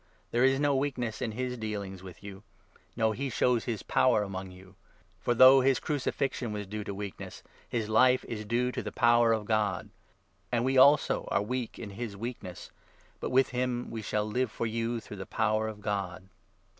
There is no weakness in his dealings with you. No, he shows his power among you. For 4 though his crucifixion was due to weakness, his life is due to the power of God. And we, also, are weak in his weakness, but with him we shall live for you through the power of God.